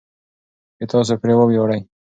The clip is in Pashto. چې تاسو پرې وویاړئ.